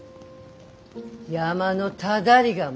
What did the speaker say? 山のただりがも。